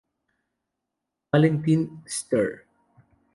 Valentin Str.